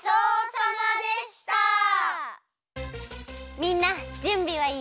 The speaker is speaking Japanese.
みんなじゅんびはいい？